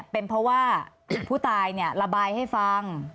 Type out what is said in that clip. เป็นเพราะว่าผู้ตายระบายให้ฟัง